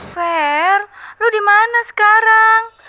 fer lu dimana sekarang